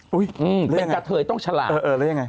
เป็นกระเทยต้องฉลาดเป็นกระเทยต้องฉลาดแล้วยังไง